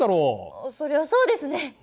あっそりゃそうですね。